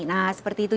nah seperti itu